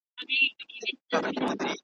نور یې « آیة » بولي زه یې بولم «مُنانۍ»,